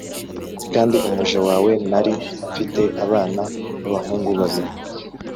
Kandi umuja wawe nari mfite abana b’abahungu babiri